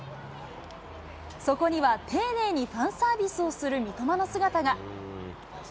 そこには丁寧にファンサービスをする三笘の姿が。